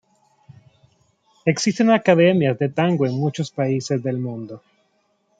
Existen academias de tango en muchos países del mundo.